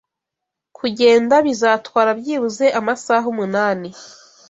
Kugenda bizatwara byibuze amasaha umunani.